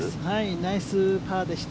ナイスパーでした。